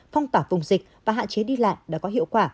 phong tỏa vùng dịch và hạn chế đi lại đã có hiệu quả